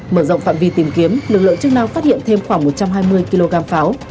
mở rộng phạm vi tìm kiếm lực lượng chức năng phát hiện thêm khoảng một trăm hai mươi kg pháo